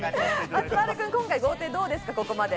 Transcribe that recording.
松丸君、今回豪邸どうですか？